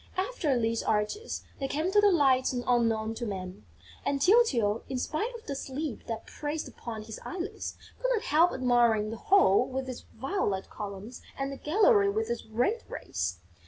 After these arches, they came to the Lights Unknown to Man; and Tyltyl, in spite of the sleep that pressed upon his eyelids, could not help admiring the hall with its violet columns and the gallery with its red rays.